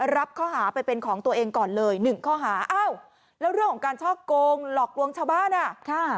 รับข้อหาไปเป็นของตัวเองก่อนเลยหนึ่งข้อหาอ้าวแล้วเรื่องของการช่อโกงหลอกลวงชาวบ้านอ่ะค่ะ